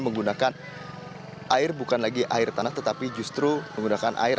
menggunakan air bukan lagi air tanah tetapi justru menggunakan air